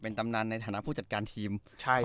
เป็นตำนานในฐานะผู้จัดการทีมของอินเตอร์